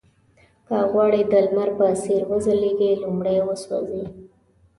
که غواړئ د لمر په څېر وځلېږئ لومړی وسوځئ.